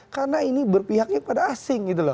karena ini berpihaknya pada asing